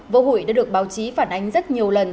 vỡ hủy đã được báo chí phản ánh rất nhiều lần